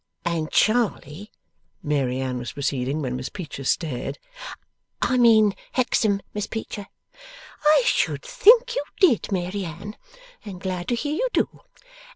'And Charley ' Mary Anne was proceeding, when Miss Peecher stared. 'I mean Hexam, Miss Peecher.' 'I should think you did, Mary Anne. I am glad to hear you do.